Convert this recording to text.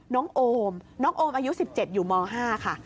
โอมน้องโอมอายุ๑๗อยู่ม๕ค่ะ